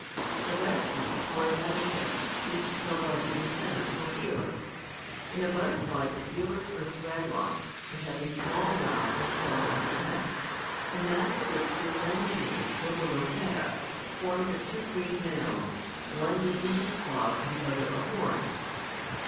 "The best way, for an amateur, is to tell by the antennæ, or feelers. In a butterfly the feelers are thread like, and have a small knob, or club, on the end, and naturalists give them the name rhopalocera, formed of two Greek nouns, one meaning a 'club' and the other a 'horn.